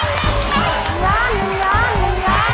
หนึ่งล้านหนึ่งล้านหนึ่งล้าน